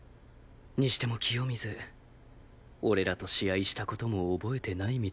にしても清水俺らと試合した事も覚えてないみたいでしたね。